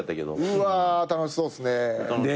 うわ楽しそうっすね。